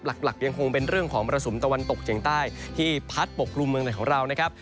หลักยังคงเป็นเรื่องของมรสุมตะวันตกเฉียงใต้ที่พัดปกกลุ่มเมืองไหนของเรานะครับ